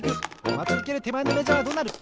まちうけるてまえのメジャーはどうなる？